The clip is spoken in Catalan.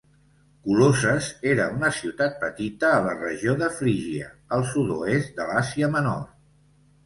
Colosses era una ciutat petita a la regió de Frígia, al sud-oest de l'Àsia Menor.